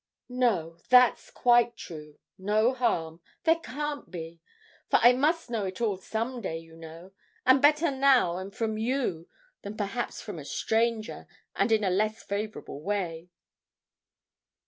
'No now that's quite true no harm. There can't be, for I must know it all some day, you know, and better now, and from you, than perhaps from a stranger, and in a less favourable way.'